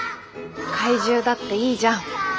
怪獣だっていいじゃん